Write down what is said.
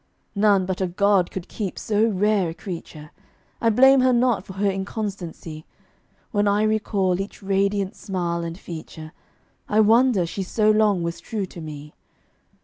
None but a god could keep so rare a creature: I blame her not for her inconstancy; When I recall each radiant smile and feature, I wonder she so long was true to me.